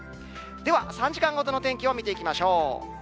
では、３時間ごとの天気を見ていきましょう。